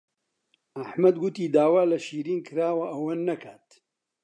ئەحمەد گوتی داوا لە شیرین کراوە ئەوە نەکات.